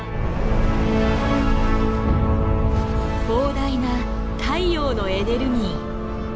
膨大な太陽のエネルギー。